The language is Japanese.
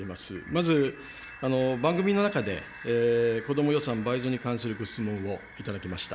まず番組の中で、子ども予算倍増に関するご質問を頂きました。